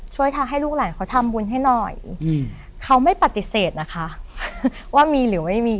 ทำให้ลูกหลานเขาทำบุญให้หน่อยอืมเขาไม่ปฏิเสธนะคะว่ามีหรือไม่มี